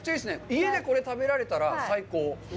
家でこれを食べられたら最高！